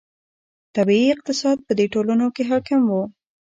طبیعي اقتصاد په دې ټولنو کې حاکم و.